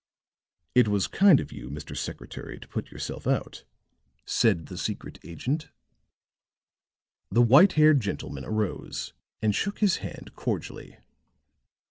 "It was kind of you, Mr. Secretary, to put yourself out," said the secret agent. The white haired gentleman arose and shook his hand cordially.